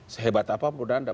sehebat apapun tidak ada